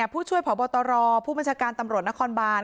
ผู้ช่วยผอบตรผู้บัญชาการตำรวจนครบาน